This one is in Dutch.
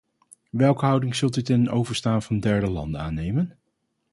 Welke houding zult u ten overstaan van derde landen aannemen?